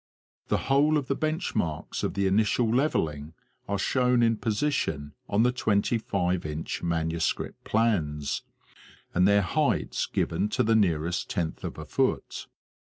The whole of the bench marks of the initial levelling are shown in position on the 25 inch manuscript plans, and their heights given to the nearest tenth of a foot.